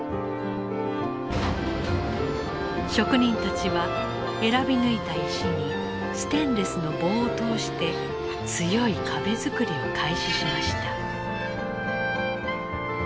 職人たちは選び抜いた石にステンレスの棒を通して強い壁作りを開始しました。